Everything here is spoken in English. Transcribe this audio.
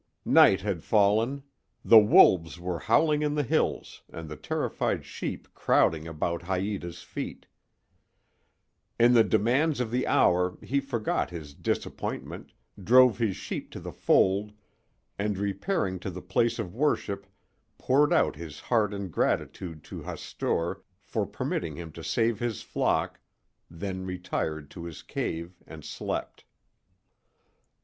Night had fallen; the wolves were howling in the hills and the terrified sheep crowding about Haïta's feet. In the demands of the hour he forgot his disappointment, drove his sheep to the fold and repairing to the place of worship poured out his heart in gratitude to Hastur for permitting him to save his flock, then retired to his cave and slept.